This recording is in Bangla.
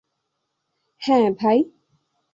হ্যাঁ, ভাই।